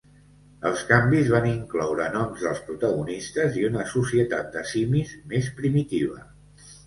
Els canvis van incloure noms dels protagonistes i una societat de simis més primitiva.